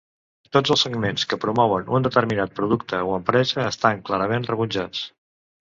Tots els segments que promouen un determinat producte o empresa estan clarament rebutjats.